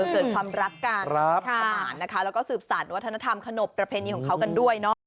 เกิดความรักกันประมาณนะคะแล้วก็สืบสารวัฒนธรรมขนบประเพณีของเขากันด้วยเนาะ